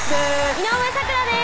井上咲楽です